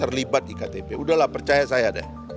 terlibat di ktp udahlah percaya saya deh